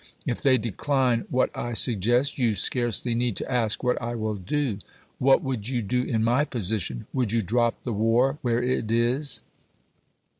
If they decline what I sug gest, you scarcely need to ask what I wiU do. What would you do in my position ? Would you drop the war where it is